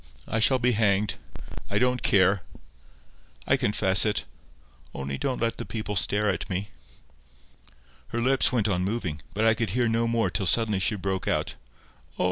I shall be hanged. I don't care. I confess it. Only don't let the people stare at me." Her lips went on moving, but I could hear no more till suddenly she broke out— "Oh!